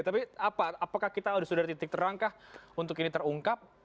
tapi apa apakah kita sudah ada titik terang kah untuk ini terungkap